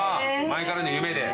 前からの夢で。